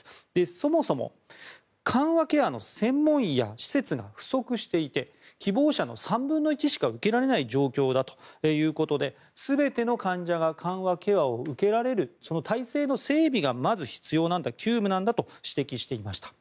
そもそも緩和ケアの専門医や施設が不足していて希望者の３分の１しか受けられない状況だということで全ての患者が緩和ケアを受けられるその体制の整備がまず必要なんだ急務なんだと指摘していました。